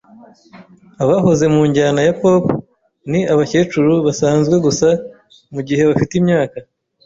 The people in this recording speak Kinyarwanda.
Abahoze mu njyana ya pop ni abakecuru basanzwe gusa mugihe bafite imyaka .